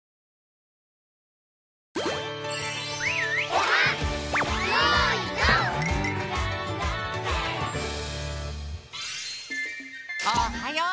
おっはよう！